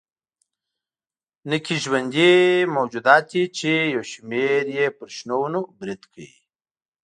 نکي ژوندي موجودات دي چې یو شمېر یې پر شنو ونو برید کوي.